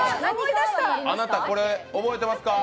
あなたこれ覚えてますか？